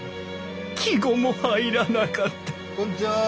季語も入らなかったこんにちは。